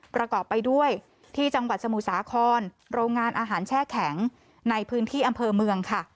ประกอบไปด้วยที่จังหวัดสมุทรสาครโรงงานอาหารแช่แข็งในพื้นที่อำเภอเมืองค่ะ